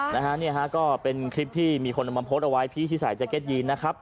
นะฮะนี่ก็เป็นคลิปที่มีคนมาโพสต์เอาไว้พี่ชิสัยจาเก็ตยีนนะครับ